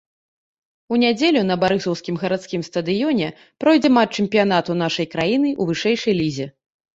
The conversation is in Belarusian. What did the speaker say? У нядзелю на барысаўскім гарадскім стадыёне пройдзе матч чэмпіянату нашай краіны ў вышэйшай лізе.